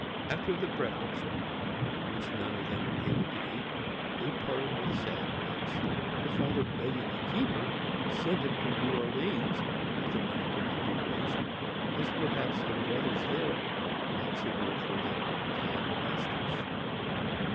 After the breakfast, which none of them were able to eat, they parted with sad hearts, the father begging the keeper to send them to New Orleans, if the money could not be raised, as perhaps their brothers there might secure for them kind masters.